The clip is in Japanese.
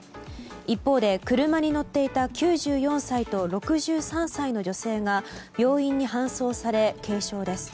一方で車に乗っていた９４歳と６３歳の女性が病院に搬送され軽傷です。